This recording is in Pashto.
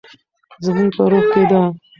زموږ په روح کې ده.